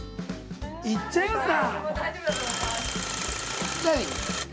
◆行っちゃいますか？